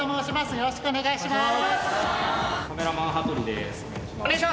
よろしくお願いします。